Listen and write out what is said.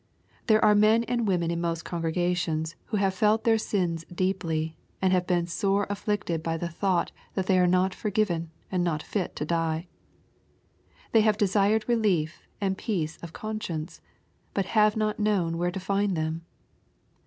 There are men and women in most congregations who have felt their sins deeply, and been sore afflicted by the thought that they are not forgiven and not fit to die. They have desired relief and peace of conscience, but have not known where to find them.